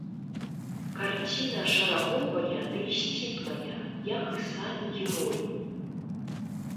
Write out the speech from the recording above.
Карціна шараговая дый сціплая, як і самі героі.